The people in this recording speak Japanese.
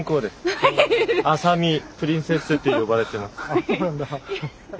あっそうなんだ。